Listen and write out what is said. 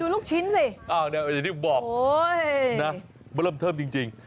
ดูลูกชิ้นสิอ้าวอย่างนี้บอกนะเริ่มเทิมจริง